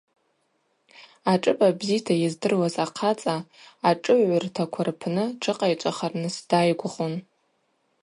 Ашӏыпа бзита йыздыруаз ахъацӏа ашӏыгӏвгӏвыртаква рпны тшыкъайчӏвахырныс дайгвгъун.